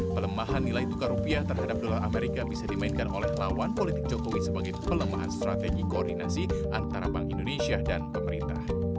pelemahan nilai tukar rupiah terhadap dolar amerika bisa dimainkan oleh lawan politik jokowi sebagai pelemahan strategi koordinasi antara bank indonesia dan pemerintah